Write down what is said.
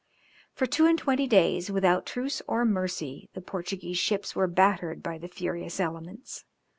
For two and twenty days, without truce or mercy, the Portuguese ships were battered by the furious elements.